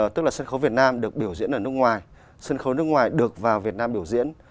tức là sân khấu việt nam được biểu diễn ở nước ngoài sân khấu nước ngoài được vào việt nam biểu diễn